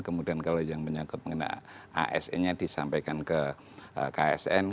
kemudian kalau yang menyangkut mengenai asn nya disampaikan ke ksn